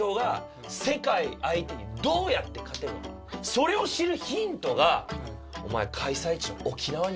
それを知るヒントがお前開催地の沖縄にあるんだよ。